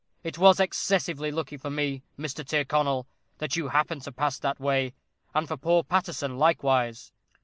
It was excessively lucky for me, Mr. Tyrconnel, that you happened to pass that way, and for poor Paterson likewise."